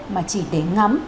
mà chỉ để ngắm